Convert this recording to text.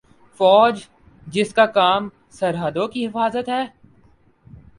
فوج جس کا کام سرحدوں کی حفاظت ہے